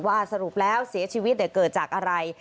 สรุปแล้วเสียชีวิตเกิดจากอะไร